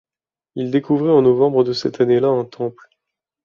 Il découvrit en novembre de cette année-là un temple.